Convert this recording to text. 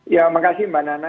ya makasih mbak nana